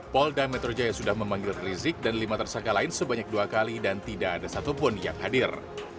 polda metro jaya sudah memanggil rizik dan lima tersangka lain sebanyak dua kali dan tidak ada satupun yang hadir